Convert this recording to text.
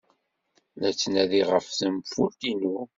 La ttnadiɣ ɣef tenfult-inu.